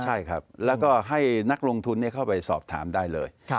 ใช่ครับแล้วก็ให้นักลงทุนเข้าไปสอบถามได้เลย